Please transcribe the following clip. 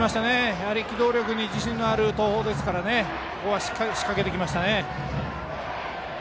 やはり機動力に自信のある東邦ですから、ここはしっかり仕掛けていきました。